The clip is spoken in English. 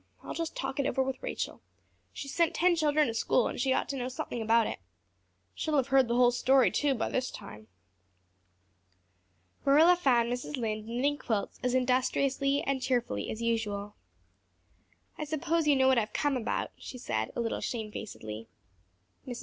I'll just talk it over with Rachel. She's sent ten children to school and she ought to know something about it. She'll have heard the whole story, too, by this time." Marilla found Mrs. Lynde knitting quilts as industriously and cheerfully as usual. "I suppose you know what I've come about," she said, a little shamefacedly. Mrs.